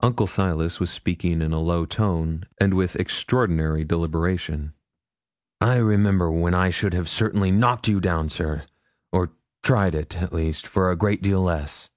Uncle Silas was speaking in a low tone, and with extraordinary deliberation. 'I remember when I should have certainly knocked you down, sir, or tried it, at least, for a great deal less.'